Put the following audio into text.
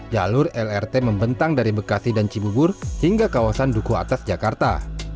jalur lrt membentang dari bekasi dan cibubur hingga kawasan duku atas jakarta